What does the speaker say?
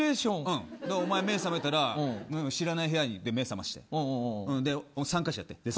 おまえ目が覚めたら知らない部屋で目を覚まして参加者やって。